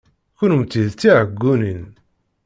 Kennemti d tiɛeggunin!